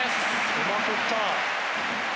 うまくいった。